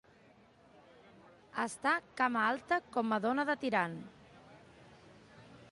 Estar cama alta com Madona de Tirant.